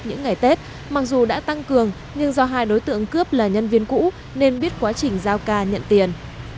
những ngày tết mặc dù đã tăng cường nhưng do hai đối tượng cướp là nhân viên cũ nên biết quá trình giao ca nhận tiền